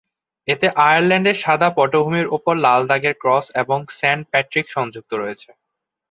এতে আয়ারল্যান্ডের সাদা পটভূমির উপর লাল দাগের ক্রস অব সেন্ট প্যাট্রিক সংযুক্ত রয়েছে।